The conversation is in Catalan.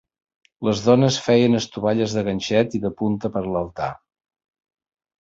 Les dones feien estovalles de ganxet i de punta per a l'altar.